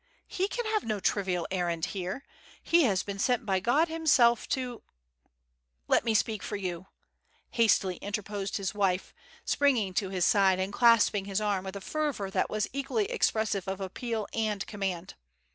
"He can have no trivial errand here; he has been sent by God Himself to " "Let me speak for you," hastily interposed his wife, springing to his side and clasping his arm with a fervour that was equally expressive of appeal and command.